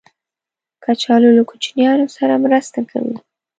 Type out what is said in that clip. کچالو له کوچنیانو سره مرسته کوي